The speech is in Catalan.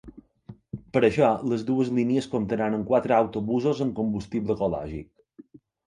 Per a això, les dues línies comptaran amb quatre autobusos amb combustible ecològic.